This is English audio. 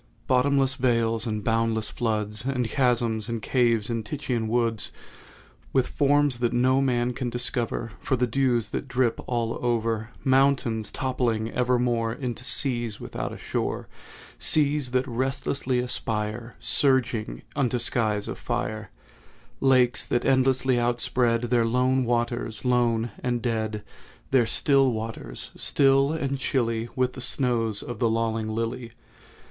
Bottomless vales and boundless floods, And chasms, and caves, and Titan woods, With forms that no man can discover For the dews that drip all over; Mountains toppling evermore Into seas without a shore; Seas that restlessly aspire, Surging, unto skies of fire; Lakes that endlessly outspread Their lone waters—lone and dead,— Their still waters—still and chilly With the snows of the lolling lily.